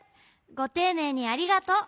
ごていねいにありがとう。